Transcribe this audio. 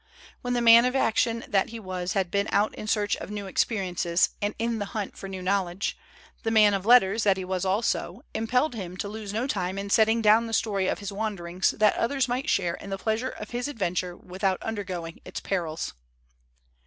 When the man of ac tion that he was had been out in search of new experiences and in the hunt for new knowledge, the man of letters that he was also, impelled him to lose no time in setting down the story of his wanderings that others might share in the pleasure of his adventure without undergoing its perils.